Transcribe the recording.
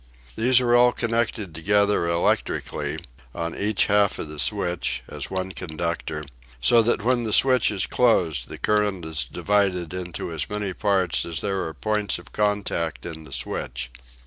These are all connected together electrically, on each half of the switch, as one conductor, so that when the switch is closed the current is divided into as many parts as there are points of contact in the switch.